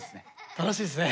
楽しいですね。